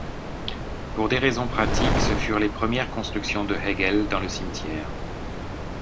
Pour des raisons pratiques, ce furent les premières constructions de Hegel dans le cimetière.